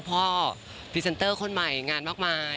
พรีเซนเตอร์คนใหม่งานมากมาย